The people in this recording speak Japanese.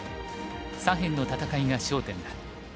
左辺の戦いが焦点だ。